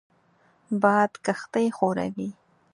باد کښتۍ ښوروي